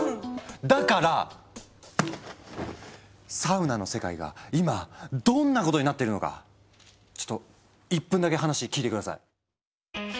だからサウナの世界が今どんなことになってるのかちょっと１分だけ話聞いて下さい。